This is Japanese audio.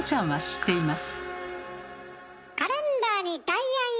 はい。